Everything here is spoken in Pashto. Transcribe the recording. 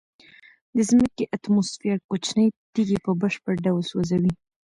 د ځمکې اتموسفیر کوچنۍ تیږې په بشپړ ډول سوځوي.